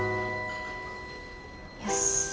よし。